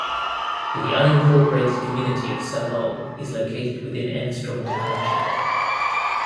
The unincorporated community of Salol is located within Enstrom Township.